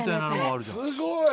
すごい。